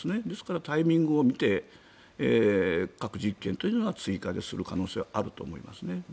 ですから、タイミングを見て核実験というのは追加でする可能性はあると思いますね。